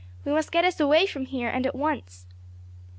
We must get us away from here and at once."